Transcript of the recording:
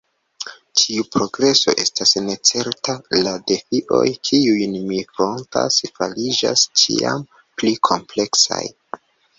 Ĉiu progreso estas necerta; la defioj, kiujn ni frontas, fariĝas ĉiam pli kompleksaj.